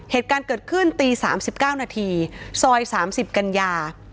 เหตุการณ์เกิดขึ้นตี๓๙นาทีซอย๓๐กันยา